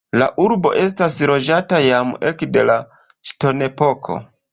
La urbo estas loĝata jam ekde la ŝtonepoko.